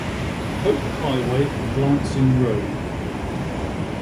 Hope Highway and Lansing Road.